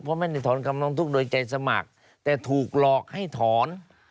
เพราะไม่ได้ถอนคำร้องทุกข์โดยใจสมัครแต่ถูกหลอกให้ถอน